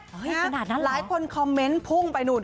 เท่านานนั้นเหรอหลายคนคอมเมนต์พุ่งไปหนูท์